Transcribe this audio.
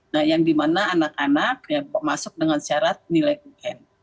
nah yang dimana anak anak masuk dengan syarat nilai un